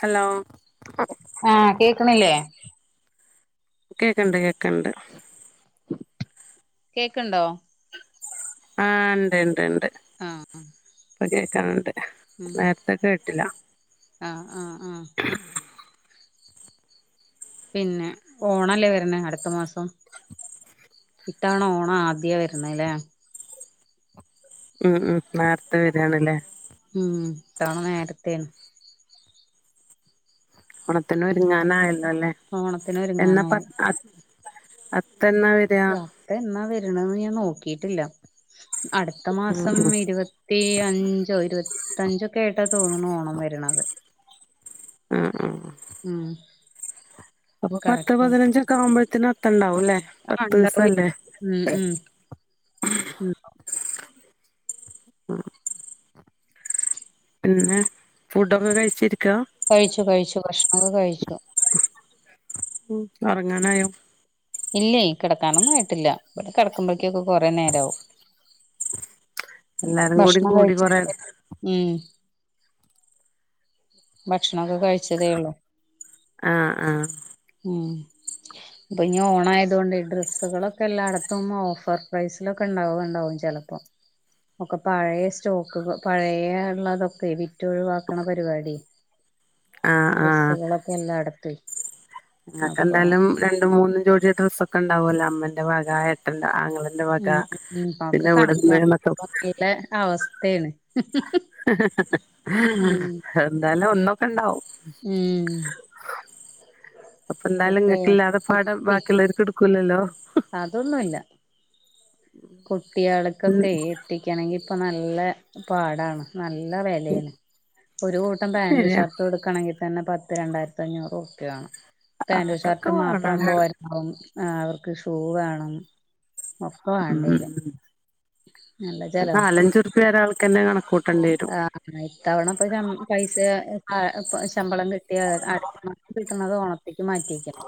Hello ആഹ് കേക്കണില്ലേ കേക്ക്ണ്ട് കേക്ക്ണ്ട് കേക്ക്ണ്ടോ ആഹ് ഇണ്ട് ഇണ്ട് ഇണ്ട് ആഹ് കേക്കന്ണ്ട് ഉം നേരത്തെ കേട്ടില്ല ആഹ് ആഹ് ആഹ് [inaudible] പിന്നെ ഓണല്ലേ വരുന്നെ അടുത്ത മാസം ഇത്തവണ ഓണം ആദ്യാ വരുന്നത് ല്ലേ ഉം ഉം നേരത്തെ വേറാൻല്ലേ ഉം ഇത്തവണ നേരത്തെയാ ഓണത്തിന് ഒരുങ്ങാൻ ആയല്ലോ അല്ലേ ഓണത്തിന് എന്ന ഒരുങ്ങാനായി പത്ത അ അത്തം എന്ന വരൂ അത്തം എന്നാ വരുന്നെന്നു ഞാൻ നോക്കിട്ടില്ല അടുത്ത മാസം ഉം ഇരുപ പത്തി അഞ്ചോ ഇരുപത്തഞ്ചൊക്കെ ആയിട്ടാ തോന്നണു ഓണം വരണത് ആഹ് ആഹ് ഉം അപ്പൊ പത്ത് കറക്റ്റ് പതിനഞ്ചൊക്കെ ആവുമ്പഴത്തേന് അത്തം ഒണ്ടാവും അല്ലേ ആഹ് ഒണ്ടാവു ആയിരി ഉം ഉം ആഹ് നിങ്ങൾ ഫുഡൊക്കെ കഴിച്ചിരിക്കുവ കഴിച്ചു കഴിച്ചു ഭക്ഷണൊക്കെ കഴിച്ചു ഉം ഒറങ്ങാനായോ ഇല്ലേ കിടക്കാനൊന്നും ആയിട്ടില്ല ഇവിടെ കിടക്കുമ്പഴേക്കൊക്കെ കെറേ നേരം ആവും എല്ലാരും കൂടി ഭക്ഷണം കൂടി കൊറേ കഴിച്ചിട്ടെ ഉം ഭക്ഷണം ഒക്കെ കഴിച്ചതേ ഉള്ളൂ ആഹ് ആഹ് ഉം ഇപ്പൊ ഇനി ഓണ ആയതുകൊണ്ട് ഈ ഡ്രസ്സുകളൊക്കെ എല്ലായെടത്തും ഓഫർ പ്രൈസിലൊക്കെ ഒണ്ടാവുക ഒണ്ടാവും ചെല പ ഒക്കെ പഴയ സ്റ്റോക്കുകൾ പഴയൊള്ളതൊക്കെ വിറ്റ് ഒഴുവാക്കണ പരിപാടി ആ ഡ്രസ്സുകളൊക്കെ എല്ലായെടത്തുവേയ് കണ്ടാലും രണ്ടും മൂന്നും ജോടിയ ഡ്രസ്സൊക്കെ ഒണ്ടാവുവല്ലോ അമ്മന്റെ വക ഏട്ടെന്റെ അങ്ങളടെ ഉം ഉം ഒക്കെ കണക്കാണ് [unintelligible] അവസ്ഥയാണ് ഉം എന്താലും ഒന്നൊക്കെ ഒണ്ടാവും ഉം അപ്പെ എന്തായാലും ഒക്കെ കട്ടിയില്ലാത്ത ഭാഗം ബാക്കിയൊള്ളവർക്ക് എടുക്കും കുലലോ അതൊന്നുയില്ല ഉം കുട്ടിയാള്ക്കൊക്കെ എത്തിക്കയെണെങ്കി ഇപ്പെ നല്ല പാടാണ് നല്ല വെലയാണ് ഒരു കൂട്ടം പാന്റും ശരിയാ ഷർട്ടും എടുക്കണെങ്കി ഇത് തന്നെ പത്ത് രണ്ടായിരത്തി അഞ്ഞൂറ് ഒക്കെ വേണം പാന്റും അതൊക്കെ ഷർട്ടും വേണം മാത്രം പോരാ അപ്പം അവർക്ക് ഷൂ വേണം മക്കള് ഉം ചെലവാ നാല് അഞ്ച്റുപ്പി ഒരാൾക്ക് തന്നെ കണക്ക് കൂട്ടേണ്ടി വരും ആ ഇത്തവണ ഇപ്പൊ ശബ പൈസ ശമ്പളം കിട്ടിയാ അടുത്ത മാസം ആത് ഓണത്തേക്ക് മാറ്റിവെക്കാം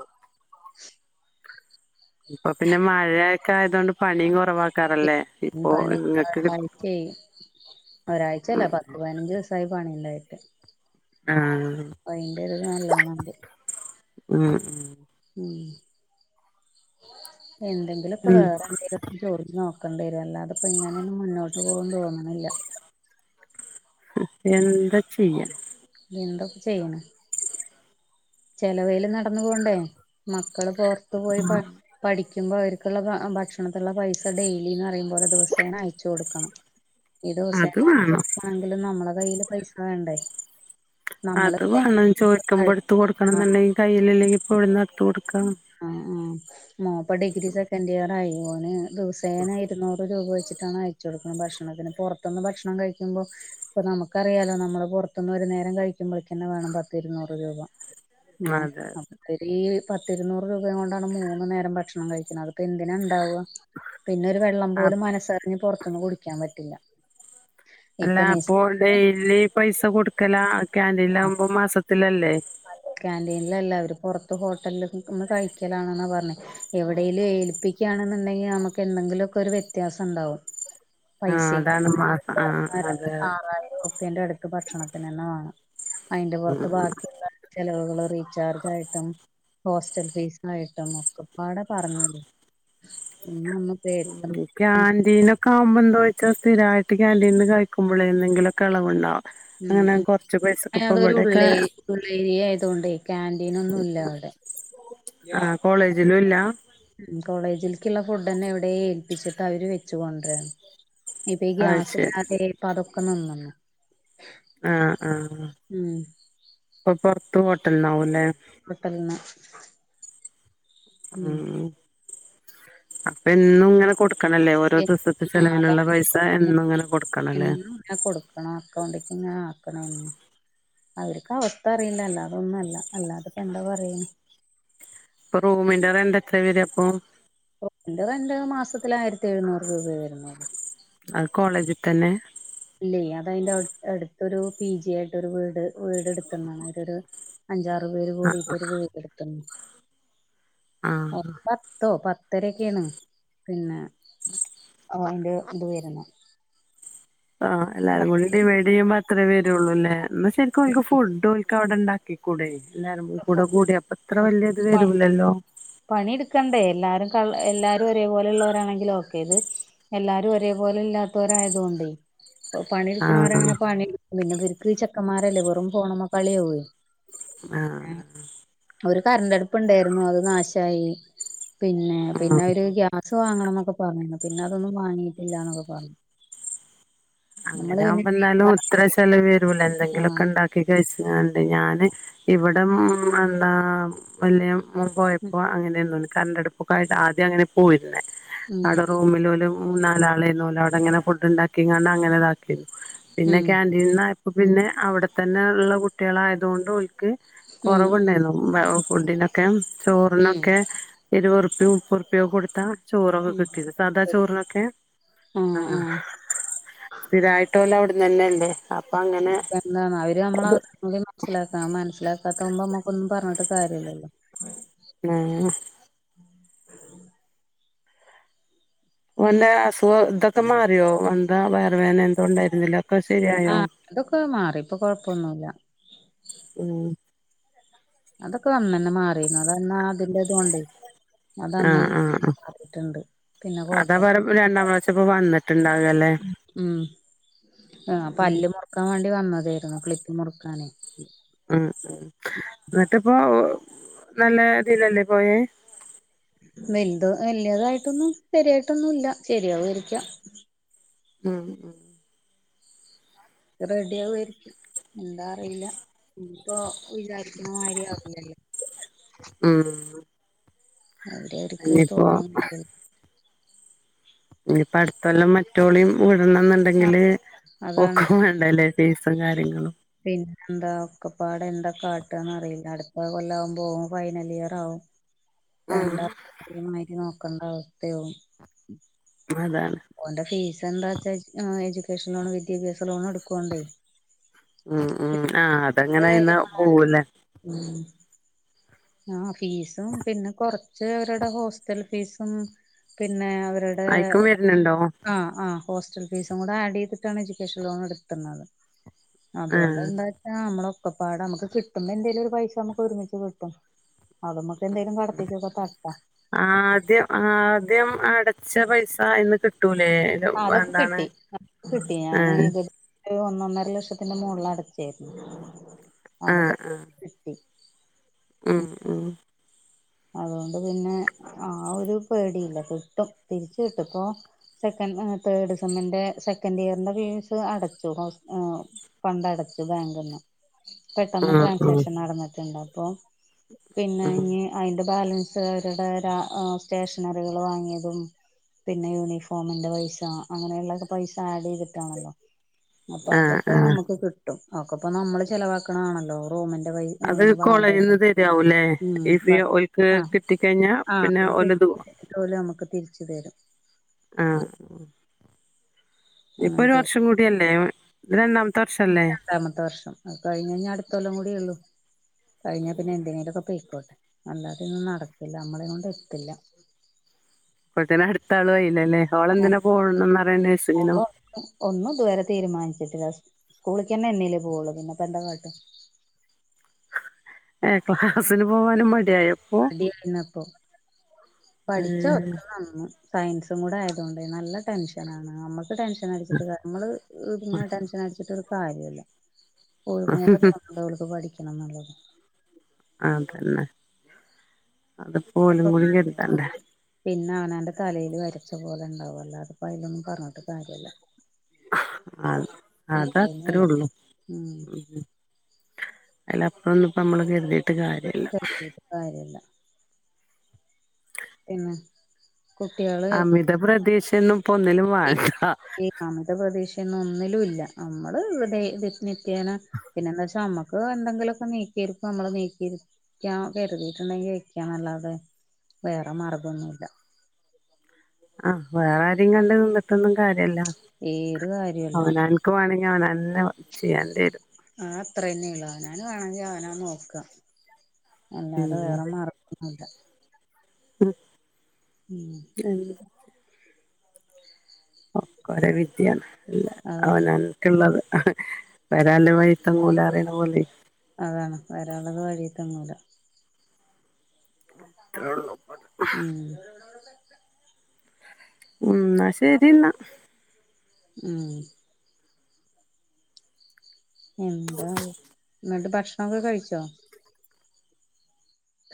ഇപ്പൊ പിന്നെ മഴയൊക്കെ ആയതു കൊണ്ട് പണിയും കെറവാക്കാറല്ലേ പണി ഒരാഴ്ചായായി ഒരാഴ്ച അല്ല പത്ത് പതിനഞ്ച് ദിവസം ഒരു പണി ഇല്ലായിട്ട് ആഹ് നല്ലോണം ഉണ്ട് ആഹ് ഉം എന്തെങ്കിലൊക്കെ ഉം, വേറെ ഇത് ഇപ്പെ ചൊറിഞ്ഞു നോക്കേണ്ടേ വരും അല്ലാതെ ഇപ്പെ ഇങ്ങനെയൊന്നും മുന്നോട്ട് പോകും തോന്നണില്ല അഹ് എന്താ ചെയ്യാം എന്തായിപ്പം ചെയ്യണെ ചെലവേലും നടന്നു പോവണ്ടേ മക്കള് പൊറത്തു പോയി പഠി പഠിക്കുമ്പോൾ അവർക്കുള്ള ഭക്ഷണത്തിലുള്ള പൈസ ഡെയിലിന്ന് പറയുമ്പോലെ ദിവസേന അയച്ചു കൊടുക്കണം ഉ ഈ ദിവസേന അയക്കണെങ്കിലും നമ്മളെ കയ്യില് പൈസ വേണ്ടേ നമ്മള് അത് വേണം ചോദിക്കുമ്പോ എടുത്തുകൊടുക്കണം ആ എന്നുണ്ടെങ്കിൽ കയ്യിൽ ഇല്ലെങ്കിപ്പോ എവിടെന്ന് എടുത്ത് കൊടുക്കണം ആഹ് ആഹ് മോപ്പ് ഡിഗ്രി സെക്കന്റ് ഇയർ ആയി ഓന് ദിവസേനാ ഇരുന്നൂറ് രൂപ വെച്ചിട്ടാണ് അയച്ചു കൊടുക്കുന്നത് ഭക്ഷണത്തിന് പെറത്തൂന്ന് ഭക്ഷണം കഴിക്കുമ്പോൾ ഇപ്പൊ നമുക്കറിയാലോ നമ്മള് പുറത്തുന്ന് ഒരു നേരം കഴിക്കുമ്പോളേ തന്നെ വേണം പത്തിരുന്നൂറ് രൂപ ഏ അതെ നമുക്കര് പ ത്തിരുന്നൂറ് രൂപയ കൊണ്ടാണ് മൂന്നു നേരം ഭക്ഷണം കഴിക്കുന്നത് അതിപ്പൊ എന്തിന ഇണ്ടാവ പിന്നെ ഒരു വെള്ളം ആ പോലും മനസ്സറിഞ്ഞ് പൊറത്തിന്ന് കുടിക്കാൻ പറ്റൂല്ല അല്ല അപ്പൊ ഡെയിലി പൈസ കൊടുക്കല ക്യാന്റീൻ ആകുമ്പോ മാസത്തിലല്ലേ ക്ന്റീനിലല്ല അവര് പൊറത്ത് ഹോട്ടലൽന്ന് കഴിക്കലാണെന്നാ പറഞ്ഞേ എവിടേലും ഏൽപ്പിക്കണ്ന്ന്ണ്ടെങ്കിൽ നമുക്ക് എന്തെങ്കിലൊക്കെ ഒരു വ്യത്യാസം ഇണ്ടാവും ആഹ് പൈസെക്ക് അതാണ് മാസം ആഹ് അതെ [inaudible] ന്റെ അടുത്ത് ഭക്ഷണത്തിനന്നെ വേണം അതിന്റെ പൊറത്ത് ബാ ചെലവുകൾ റീചാർജ് ആയിട്ടും ഹോസ്റ്റൽ ഫീസ് ആയിട്ടും ഒക്കെപാടെ പറഞ്ഞ [unintelligible] ഉ ക്യാന്റീന ഒക്കെ ആവുമ്പോ എന്തോയിച്ച സ്ഥിരായിട്ട് ക്യാന്റീൽന്ന് കഴിക്കുമ്പോ എന്തെങ്കിലുംക്കെളവ്ണ്ടാവും ഉം ഉം അതൊരു ഉള്ളേ ഉള്ളേരിയ ആയത് കൊണ്ടേ ക്യാൻ്റീൻ ഒന്നും ഇല്ല അവിടെ ആഹ് കോളേജിലുല്ല ഉം കോളേജിൽക്ക്ള്ള ഫുഡന്നെ എവിടെ ഏൽപ്പിച്ചിട്ട് അവര് വെച്ചു കൊണ്ടരാ. ഇപ്പാ ഈ അത് ഗ്യാസ് ശരി ഇല്ലാതെ ഇപ്പ അതൊക്കെ നിന്നു ആഹ് ആഹ് ഉം ഇപ്പൊ പൊറത്ത് ഹോട്ടൽന്നാവുല്ലേ? ഒട്ടൽന്ന് ഉം അപ്പാ എന്നും ഇങ്ങനെ കൊട് ക്കണല്ലേ ഓരോ ദിവസത്തെ എന്നും ചെിലവിനുള്ള അതാണ് പൈസ എന്നും ഇങ്ങനെ കൊടുക്കണല്ലേ ഞാൻ കൊടുക്കണോ അക്കോണ്ടിക്ക് ഇങ്ങനെ ആക്കണ അവർക്ക് അവസ്ഥ അറിയില്ല അതൊന്നും അല്ല അല്ലാതെ പെ എന്ത പറയ ഇപ്പൊ റൂമിന്റെ റെന്റ് എത്ര വര അപ്പൊ റൂമിന്റെ റെന്റെ മാസത്തില് ആയിരത്തി എഴുന്നൂറ് രൂപ വരുന്നുള്ളു അത് കോളേജി തന്നെ ഇല്ലേ അത് അയിന്റെ അടു അടുത്തൊരു പി ജി ആയിടൊരു വീട് വീടെടുത്തു താണ് അവര് ഒരു അഞ്ചാറ് പേര് കൂടിട്ടൊരു വീടെടുത്ത്ണ് ആ ആഹ് പത്തോ പത്തരൊക്കെയാണ് പിന്നെ അതിന്റെ ഇത് വരുന്നേ ആഹ് എല്ലാരുകൂടി ഡിവൈഡ് ചെയ്യുമ്പോ അത്രേ വരുയുള്ളൂല്ലേ എന്ന ശരിക്കും ഓല്ക്ക് ഫുഡ് ഓല്ക്ക് അവിടെ ഇണ്ടാക്കി കൂടെ എല്ലാരും കൂടെ ഫുഡ് കൂടി അപ്പ ഇത്ര വല്യ ഇത് വരുല്ലല്ലോ പണി ട്ക്കണ്ടേ എല്ലാരും ക എല്ലാരും ഒരേപോലെ ഇള്ളവരാണെങ്കില് ഒക്കെ ഇത് എല്ലാരും ഒരേപോലെ ഇല്ലാത്തവരായതു കൊണ്ടെ പണി ആഹ് ഇട്ക്ക്ണോരങ്ങനെ പണി പിന്നെ ഇർക്ക് ചക്കന്മാരല്ലേ വെറും ഫോണ് മ്മ കളിയവേ ആഹ് ഒരു കരണ്ട് അടുപ്പ ഉണ്ടായിരുന്നു അത് നാശായി പിന്നെ പിന്നെ ആഹ് അവര് ഗാ സ് വാങ്ങണന്നൊക്കെ പറഞ്ഞിരുന്നു പിന്നെ അതൊന്നും വാങ്ങിയിട്ടില്ലാന്നൊക്കെ പറഞ്ഞു അങ്ങനെ നമ്മള് പിന്നെ ആകുമ്പോ എന്നാലും ഇത്ര ചെലവ് വരൂല എന്തെങ്കിലുമൊക്കെ ആഹ് ഇണ്ടാ ഒക്കെ കഴിച്ച്ങ്ങാണ്ട് ഞാന് ഇവിടം എന്താ വല്ലൃ മോൻ പോയപ്പോ അങ്ങനെർന്നു കരണ്ട് അടുപ്പൊക്കയിട്ട് ആദ്യം അങ്ങനെ പോയിരുന്നേ ഉം അവിടെ റൂമില് വല്ലോം നാലാളെന്നു ഒര അവിടെങ്ങനെ ഫുഡ്ണ്ടാക്കിങ്ങാണ്ട് അങ്ങനെ ഇതാ പിന്നെ ഉം കാന്റീന്ന് ആയപ്പോ പിന്നെ അവിടെത്തന്നെ ഉള്ള കുട്ടികളായതുകൊണ്ട് ഓൽക്ക് ഉം ഉം കൊറവുണ്ടായിരുന്നു ഫുഡിനൊക്കെ ഉം ചോറിനൊക്കെ ഇരുവർപ്പിയ മുപ്പർപ്യ ഒക്കെ കൊടുത്താ ചോറൊക്കെ ഉം കിട്ടിയത് സാദാ ചോറിനൊക്കെ ആഹ് സ്ഥിരായിട്ട് ഓല് അവിടെന്നെല്ലേ അപ്പാ അങ്ങനെ എന്താന്ന അവര് നമ്മടെ അവസ്ഥ കൂടി മനസ്സിലാക്കാണം മനസ്സിലാക്കാത്ത ആവുമ്പം നമ്മക്കൊന്നും പറഞ്ഞിട്ട് കാര്യല്ലല്ലോ മാണം ഓൻ്റെ അസുഖ ഇതൊക്കെ മാറിയോ എന്താ വയറു വേദന എൻ ന്തോ ഉണ്ടായിരുന്നില്ലേ അതൊക്കെ ശരിയായോ ആഹ് അതൊക്കെ മാറി ഇപ്പൊ കൊഴപ്പൊന്നുല്ല ഉം അതൊക്കെ അന്നന്നെ മാറിരുന്നു. അതന്നാ അതിന്റെ ഇതോണ്ടേ അത് അന്ന് ആഹ് ആഹ് ത ആഹ് [unintelligible] റീട്ട്ണ്ട്. പിന്നെ അതാ പറ കൊഴപ്പോന്നും ഇല്ല രണ്ടാം പ്രാവശ്യം ഇപ്പോ വന്നിട്ടുണ്ടാകല്ലേ ഉം, ആ ഉം പല്ല് മുറുക്കാൻ വേണ്ടി വന്നതേരുന്നു. ക്ലിപ്പ് മുറുക്കാനേ, ഉം, ഉം. ന്നട്ട്‌പ്പോ നല്ല ഇതിലല്ലേ പോയേ? വൽത് വലിയതായിട്ടൊന്നും ശരിയായിട്ടൊന്നുംല്ല. ശരിയാകുവായിരിക്കാം. ആഹ്, അ റെഡി ആവു ആയിരിക്കും. എന്താ അറിയില്ല, ഇപ്പൊ വിചാരിക്കുന്ന മാതിരി ആവില്ലല്ലോ ഉം അവിടെ എടക്ക് ഇനിയിപ്പോ തൊടങ്ങിയെന്നുല്ലേ? ഞ്ഞ്പ്പ അടുത്തൊല്ലാം മറ്റോളിം ആഹ് വിടണംന്ന്ണ്ടെങ്കില് അതാണേ ഓക്കും വേണ്ടല്ലേ ഫീസും കാര്യങ്ങളും പിന്നെ എന്താ ഒക്കെപ്പാട് എന്താ കാട്ടാന്നറിയില്ല. അടുത്ത കൊല്ലാകുമ്പൊ ഓൻ ഫൈനൽ ഇയർ ആവും. രണ്ടാളെ [unintelligible] ഒരേ മാതിരി നോക്കേണ്ട അവസ്ഥയാകും. അതാണ് ഓന്റെ ഫീസ് എന്താച്ചാ എജു എജുക്കേഷൻ ലോണ് വിദ്യാഭ്യാസ ലോണ എടുക്കോണ്ടേ ആഹ് ആഹ് ആഹ് ന്റെ അതങ്ങനെയിന്ന കാര്യം പോവുല്ലേ [unintelligible] ആഹ് ഫീസും, പിന്നെ കൊറച്ച് അവരുടെ ഹോസ്റ്റൽ ഫീസും, പിന്നെ അവര അയിക്കും [unintelligible] വരുന്നുണ്ടോ ആഹ് ആഹ് ഹോസ്റ്റൽ ഫീസും കൂടെ ആഡ് ചെയ്തിട്ടാണ് എഡ്യൂക്കേഷൻ ലോൺ എടുത്തുന്നത്. അതുകൊണ്ട് ആഹ് എന്താ ആഹ, നമ്മള ഒക്കപ്പാട നമുക്ക് കിട്ടുമ്പോ എന്തേങ്കലും ഒരു പൈസ നമുക്ക് ഒരുമിച്ച് കിട്ടും. അതമ്മക്ക് എന്തേലും കടത്തിക്കൊക്കെ തട്ടാ. ആദ്യം ആദ്യം അടച്ച പൈസ അയിന്ന് കിട്ടൂലേ ഇത് ആഹ്, അതൊക്കെ എന്താണ് കിട്ടി അത്ക്കെ കിട്ടി. ഞാന് ആഹ് ഒരു ഒന്നൊന്നര ലക്ഷത്തിന്റെ മോളിൽ അടച്ചേ. ആഹ് അതൊക്കെ ആഹ് കിട്ടി. ഉം ഉം അതോണ്ട് പിന്നെ ആ ഒരു പേടിയില്ല. കിട്ടും, തിരിച് കിട്ടും. പ്പോ സെക്കൻ് ഏ തേർഡ് സെമ്മിന്റെ സെക്കൻഡ് ഇയറിന്റെ ഫീസ് അടച്ചു. [unintelligible] ഫണ്ട് അടച്ചു ബാങ്ക്ന്ന് പെട്ടെന്ന് ആഹ് ആഹ് ട്രാൻസാക്ഷൻ നടന്ന്ട്ട്ണ്ട്. അപ്പൊ പിന്നെ ഉം ഇഞ്ഞ് അയിന്റെ ബാലൻസ് അവരുടെ രാ ഏ സ്റ്റേഷനറികൾ വാങ്ങിയതും പിന്നെ യൂണിഫോമിന്റെ പൈസ, അങ്ങനെയുള്ളൊക്കെ പൈസ ആഡ് ചെയ്തിട്ടാണല്ലോ അപ്പൊ ആഹ് അതൊക്കെ ആഹ് നമ്മക്ക് കിട്ടും. അകപൊ നമ്മള് ചെലവാക്കണാണല്ലോ റൂമിന്റെ പൈ അത് വാടക കോളേജിൽന്ന് തരിയാവൂല്ലേ. ഉം ഈ ഫീ ഒൽക്ക് ആഹ് കിട്ടിക്കഴിഞ്ഞാ പിന്നെ ആഹ് ഒലതു ഓല് നമുക്ക് തിരിച്ചു തരും. ആഹ് ഇപ്പൊ അങ്ങനെ ഒരു തരും വർഷം കൂടിയല്ലേ ഇത്‌ രണ്ടാമത്തെ വർഷ അല്ലേ ണ്ടാമത്തെ വർഷം, അത് കഴിഞ്ഞാന്ന് അടുത്തൊല്ലം കൂടിയെ ഉള്ളൂ. കഴിഞ്ഞാൽ പിന്നെ എന്തിനെലോകെ പൊയ്ക്കോട്ടെ. അല്ലാതെയൊന്നും നടക്കില്ല. നമ്മളെ കൊണ്ട് എത്തില്ല അപ്പോഴത്തേന് അടുത്ത ആളും ആയിലല്ലേ. ഓളെന്തിനാ പോണംന്നറീണ് നഴ്സ്സിംങ്ങിനോ? ഓള് ഒന്നും ഇതുവരെ തീരുമാനിച്ചിട്ടില്ല. സ്‌ സ്കൂളിക്കന്നെ എന്നേലെ പോവുള്ളൂ. പിന്നെപ്പന്താ കാട്ട ഏ ക്ലാസിന് പോവാനും മടിയായപ്പോ ദിഫ്നക്കോ പഠിച്ച ഏഹ് അവർക് നന്നു. സയൻസും കൂടെ ആയത് കൊണ്ട്, നല്ല ടെൻഷനാണ് നമ്മ ടെൻഷൻ അടിച്ചിട്ട് കാ. നമ്മള് ഇ് പിന്നെ ടെൻഷൻ അടിച്ചിട്ട് ഒരു കാര്യം ഇല്ല. ഓൽകും കൂടെ തോന്ന ഇതോൽക്ക് പഠിക്കണം ന്നുള്ളത് ആ തന്നെ അത്പ്പോ ഓലും കൂടി കരുതണ്ടേ പിന്നെ അവനാന്റെ തലേല് വരച്ച പോലെ ണ്ടാവും അല്ലാതിപ്പോ അതിലൊന്നും പറഞ്ഞിട്ട് കാര്യല്ല. അ അത അത്രേ ഉള്ളു. ഉം അയിലപ്പൊറൊന്നുപ്പമ്മള് കര്‌തീട്ട് കാര്യല്ല. കറഞ്ഞിട്ട്ടകാര്യല്ല പിന്നെ കുട്ടികള് ഇത്ര പ്രതീക്ഷഒന്നുംഇപ്പൊ ഒന്നിലും വേണ്ട. അങ്ങനത്തെ പ്രദേശന്നും ഒന്നിലും ഇല്ല. നമ്മള് ഇദേത്തിത്യോന പിന്നെ എന്താ വെച്ചാ നമ്മക്ക് എന്തങ്കിലുമൊക്കെ നീക്കിയിരിക്ക നമ്മള് നീക്കി കരുതിയിട്ടുണ്ടെങ്കി വയ്ക്കാ അല്ലാതെ വേറെ മാർഗ്ഗംന്നു ഇല്ല ആഹ് വേറെ ആര്യും കണ്ട് നിന്നിട്ടൊന്നും കാര്യല്ല. ഏത് കാര്യല്ല അവന അപ്പോ ഞാൻ അതെന്ന ചെയ്യണ്ടേരും ആ അത്ര തന്നേ ഉള്ളു. അവനാൻ വേണമെങ്കിൽ അവനാ നോക്കാം അല്ലാതെ ഉം വേറെ മാർഗ്ഗല്ല ആതാ ആ ഉം അ ഒകെ ഓരോ വിിധിയാണ് അതാണ് അവനാൻ ഉള്ളത് വരള്ള വഴിത്തങ്ങൂല പറയണ പോലെ അതാണ് വരാൻ ഉള്ളത് വഴിത്തങ്ങുല. ഈ ഉം ഉം എന്നാ ശെരി എന്നാ. ഉം എന്താ എന്നിട്ട് ഭക്ഷണൊക്കെ കഴിച്ചോ?